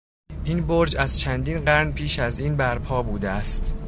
این برج از چندین قرن پیش از این برپا بوده است.